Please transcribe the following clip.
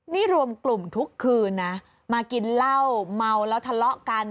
นี่รวมกลุ่มทุกคืนนะมากินเหล้าเมาแล้วทะเลาะกัน